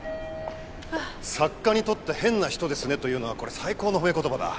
作家にとって「変な人ですね」というのはこれ最高の褒め言葉だ。